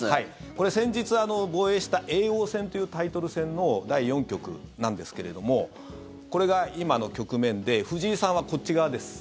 これ、先日防衛した叡王戦というタイトル戦の第４局なんですけれどもこれが今の局面で藤井さんはこっち側です。